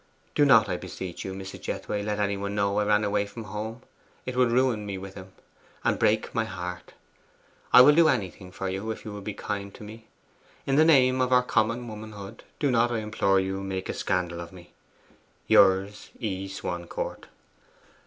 Do not, I beseech you, Mrs. Jethway, let any one know I ran away from home! It would ruin me with him, and break my heart. I will do anything for you, if you will be kind to me. In the name of our common womanhood, do not, I implore you, make a scandal of me. Yours, 'E. SWANCOURT.